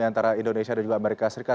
antara indonesia dan juga amerika serikat